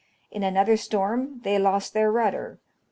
In another storm they lost their rudder.